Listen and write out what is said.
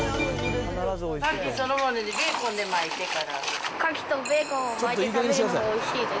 カキそのものにベーコンで巻いてから。